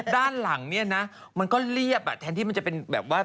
ด้านหลังเนี่ยนะมันก็เรียบแทนที่มันจะเป็นแบบว่า